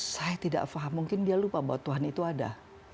saya tidak faham mungkin dia lupa bahwa tuhan itu ada